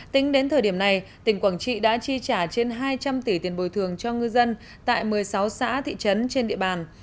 tính đến thời điểm này tỉnh quảng trị đã chi trả trên hai trăm linh tỷ tiền bồi thường cho ngư dân tại một mươi sáu xã thị trấn trên địa bàn